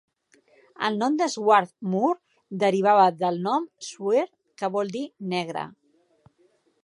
El nom de Swarth Moor derivava del nom "sweart", que vol dir "negre".